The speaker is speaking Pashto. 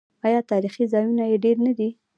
آیا تاریخي ځایونه یې ډیر نه دي؟